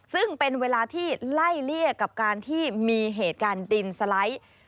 ซึ่งเป็นเวลาที่ไล่เลี่ยกับการที่มีเหตุการณ์ดินสไลด์